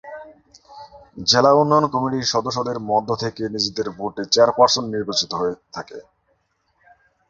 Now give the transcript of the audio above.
জেলা উন্নয়ন কমিটির সদস্যদের মধ্য থেকে নিজেদের ভোটে চেয়ারপার্সন নির্বাচিত হয়ে থাকে।